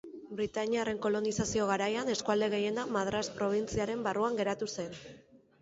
Britainiarren kolonizazio garaian, eskualde gehiena Madras Probintziaren barruan geratu zen.